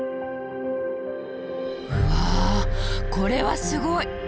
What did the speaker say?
うわこれはすごい！